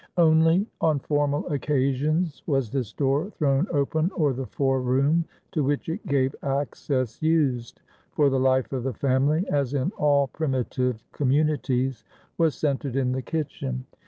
Only on formal occasions was this door thrown open or the fore room to which it gave access used, for the life of the family, as in all primitive communities, was centered in the kitchen.